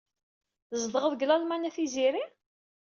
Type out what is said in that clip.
Tzedɣeḍ deg Lalman a Tiziri?